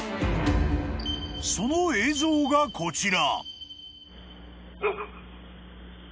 ［その映像がこちら］